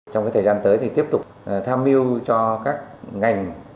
trong thời gian tới thì tiếp tục tham mưu cho các ngành